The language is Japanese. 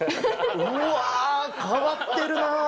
うわー、変わってるな。